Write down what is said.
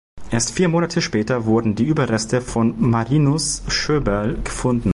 Erst vier Monate später wurden die Überreste von Marinus Schöberl gefunden.